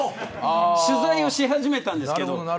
取材をし始めたんですけど。